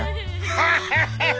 ハハハッ！